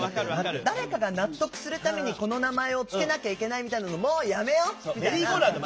誰かが納得するためにこの名前を付けなきゃいけないみたいなのもうやめよう！みたいな。